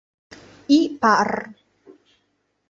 I parr.